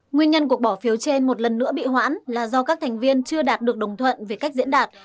nguyên nhân cuộc bỏ phiếu trên một lần nữa bị hoãn là do các thành viên chưa đạt được đồng thuận về cách diễn đạt